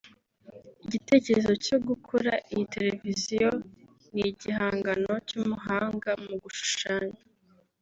Igitekerezo cyo gukora iyi televiziyo ni igihangano cy’umuhanga mu gushushanya